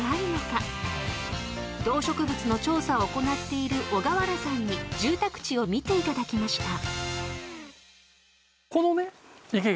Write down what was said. ［動植物の調査を行っている小河原さんに住宅地を見ていただきました］